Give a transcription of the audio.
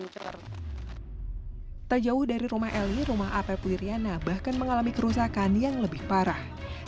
terjauh dari rumah eli rumah ap puyiriana bahkan mengalami kerusakan yang lebih parah